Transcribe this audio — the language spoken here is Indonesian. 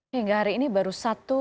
hingga hari ini baru satu